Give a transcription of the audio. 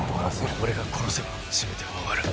俺が殺せば全ては終わる。